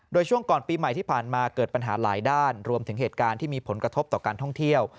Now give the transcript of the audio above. โดยช่วงก่อนปีใหม่ที่ผ่านมาเกิดปัญหาหลายด้านรวมถึงเหตุการณ์ที่มีผลกระทบต่อการท่องเที่ยว